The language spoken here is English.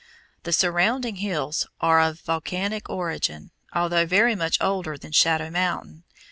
The surrounding hills are of volcanic origin, although very much older than Shadow Mountain.